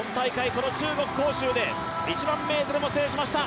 この中国・杭州で１００００ｍも制しました。